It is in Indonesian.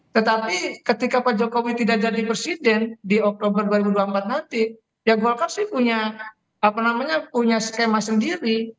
tetapi ketika pak jokowi tidak jadi presiden di oktober dua ribu dua puluh empat nanti ya golkar sih punya skema sendiri